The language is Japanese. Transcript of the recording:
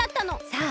さあ